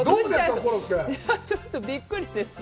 ちょっとびっくりですね。